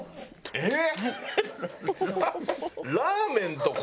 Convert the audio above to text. えっ！